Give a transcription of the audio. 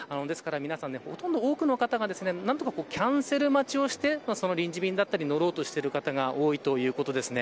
多くの方が何とかキャンセル待ちをして臨時便に乗ろうとしている方が多いということです。